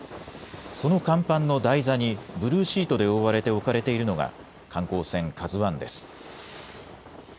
その甲板の台座にブルーシートで覆われて置かれているのが観光船、ＫＡＺＵＩです。